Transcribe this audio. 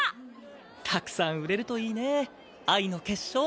たくさん売れるといいね愛の結晶。